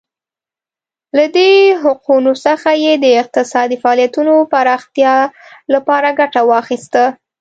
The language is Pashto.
له دې حقونو څخه یې د اقتصادي فعالیتونو پراختیا لپاره ګټه واخیسته.